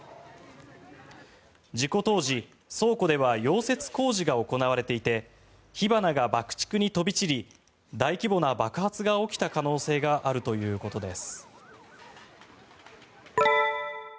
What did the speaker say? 事故当時、倉庫では溶接工事が行われていて火花が爆竹に飛び散り大規模な爆発が起きた可能性があるということです。